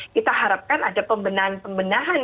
kita harapkan ada pembenahan pembenahan